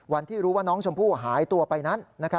วันที่รู้ว่าน้องชมพู่หายตัวไปนั้น